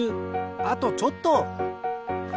あとちょっと！